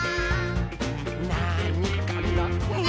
「なーにかな？」